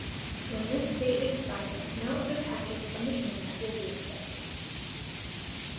When this state expires, no other packets from the Internet will be accepted.